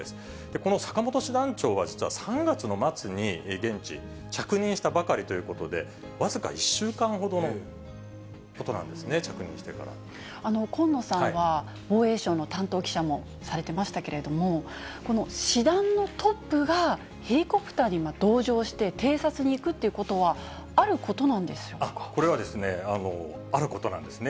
この坂本師団長は実は３月の末に現地、着任したばかりということで、僅か１週間ほどのことなんですね、近野さんは、防衛省の担当記者もされてましたけれども、師団のトップがヘリコプターに同乗して偵察に行くっていうことはこれはですね、あることなんですね。